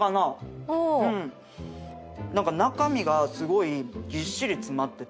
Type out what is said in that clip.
何か中身がすごいぎっしり詰まってて。